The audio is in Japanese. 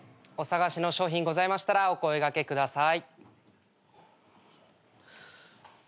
お探しの商品ございましたらお声掛けください。